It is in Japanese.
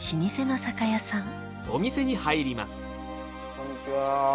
こんにちは。